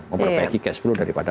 memperbaiki cash flow daripada